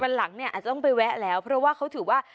หลังเนี่ยอาจจะต้องไปแวะแล้วเพราะว่าเขาถือว่า